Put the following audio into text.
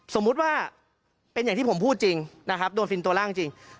สมมุติว่าเป็นอย่างที่ผมพูดจริงนะครับโดนฟินตัวล่างจริง